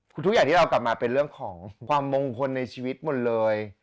คือทุกอย่างที่เรากลับมาเป็นเรื่องของความมงคลในชีวิตหมดเลย